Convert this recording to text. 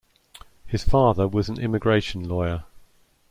His father was an immigration lawyer.